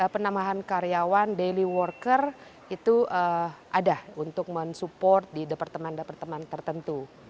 penambahan karyawan daily worker itu ada untuk mensupport di departemen departemen tertentu